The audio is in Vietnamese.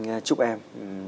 anh chúc em